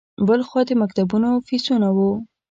بل خوا د مکتبونو فیسونه وو.